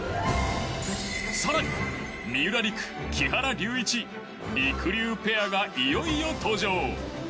更に三浦璃来、木原龍一りくりゅうペアがいよいよ登場！